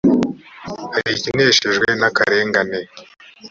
hari ikeneshejwe n akarengane